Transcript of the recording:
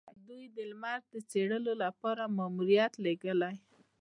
دوی د لمر د څیړلو لپاره ماموریت لیږلی.